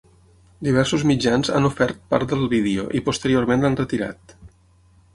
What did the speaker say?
Diversos mitjans han ofert part del vídeo i posteriorment l’han retirat.